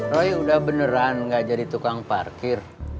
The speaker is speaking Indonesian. roy udah beneran gak jadi tukang parkir